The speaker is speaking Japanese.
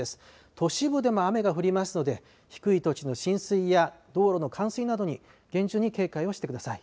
都市部でも雨が降りますので低い土地の浸水や道路の冠水などに厳重に警戒をしてください。